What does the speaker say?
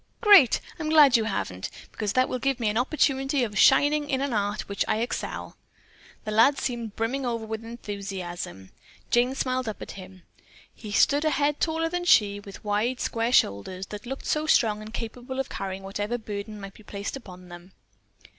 "Great! I'm glad you haven't, because that will give me an opportunity of shining in an art at which I excel." The lad seemed brimming over with enthusiasm. Jane smiled up at him. He stood a head taller than she, with wide, square shoulders that looked so strong and capable of carrying whatever burden might be placed upon them.